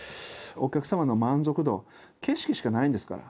お客様の満足度景色しかないんですから。